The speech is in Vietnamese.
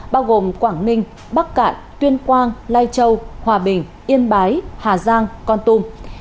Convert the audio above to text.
bao gồm quảng ninh bắc cạn tuyên quang lai châu hòa bình yên bái hà giang con tum